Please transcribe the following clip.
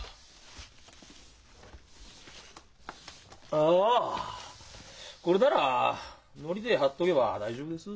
ああこれだらノリで貼っとけば大丈夫です。